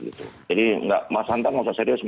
iya enggak mas santang nggak usah serius